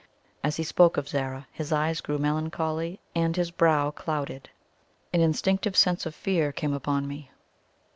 As he spoke of Zara his eyes grew melancholy and his brow clouded. An instinctive sense of fear came upon me.